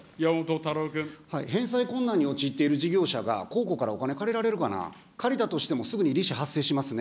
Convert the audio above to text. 返済困難に陥っている事業者が公庫からお金借りられるかな、借りたとしてもすぐ利子、発生しますね。